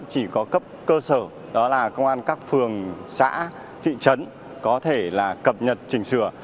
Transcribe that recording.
chỉ có cấp cơ sở đó là công an các phường xã thị trấn có thể là cập nhật chỉnh sửa